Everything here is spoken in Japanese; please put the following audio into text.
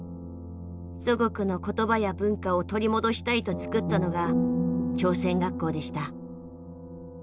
祖国の言葉や文化を取り戻したいとつくったのが朝鮮学校でした。